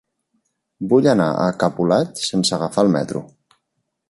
Vull anar a Capolat sense agafar el metro.